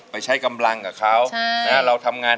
ไปใช้กำลังกับเขาเราทำงาน